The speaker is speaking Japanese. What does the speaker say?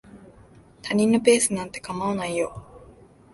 他人のペースなんて構わないよ。